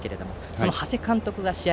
その長谷監督が試合